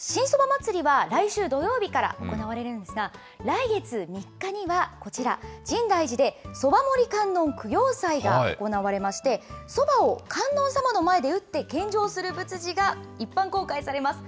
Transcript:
こちらなんですが、新そば祭りは来週土曜日から行われるんですが、来月３日にはこちら、深大寺でそば守観音供養祭が行われまして、そばを観音様の前で打って献上する仏事が一般公開されます。